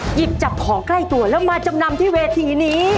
หยิบจับของใกล้ตัวแล้วมาจำนำที่เวทีนี้